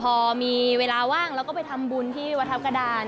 พอมีเวลาว่างแล้วก็ไปทำบุญที่วัดทัพกระดาน